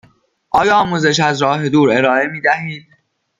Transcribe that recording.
آیا آموزش از راه دور ارائه می دهید؟